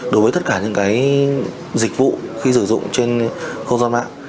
đối với tất cả những dịch vụ khi sử dụng trên không gian mạng